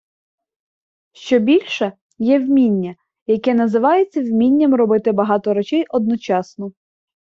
Щобільше, є вміння, яке називається вмінням робити багато речей одночасно.